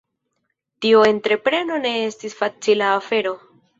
Tiu entrepreno ne estis facila afero.